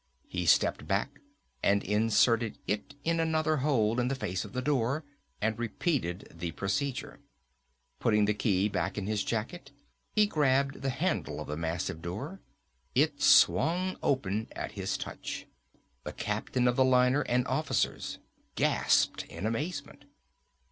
He stepped back and inserted it in another hole in the face of the door and repeated the procedure. Putting the key back in his jacket he grabbed the handle of the massive door. It swung open at his touch. The captain of the liner and officers gasped in amazement.